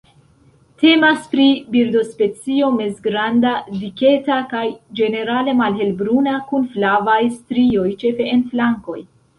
Temas pri birdospecio mezgranda, diketa kaj ĝenerale malhelbruna kun flavaj strioj ĉefe en flankoj.